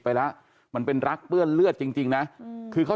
ไปแล้วมันเป็นรักเปื้อนเลือดจริงจริงนะคือเขา